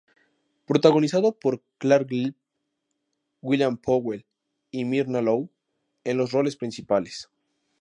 Protagonizado por Clark Gable, William Powell y Myrna Loy en los roles principales.